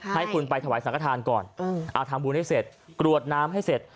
ให้คุณไปถวายสังขทานก่อนทำบุญให้เสร็จกรวดน้ำให้เสร็จ